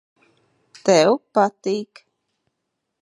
Tev patīk.